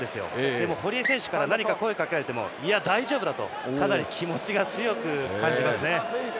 でも堀江選手から何か声かけられてもいや大丈夫だと気持ちが強く感じますね。